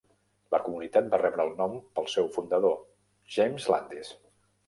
La comunitat va rebre el nom pel seu fundador James Landis.